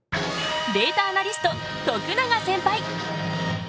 データアナリスト徳永センパイ！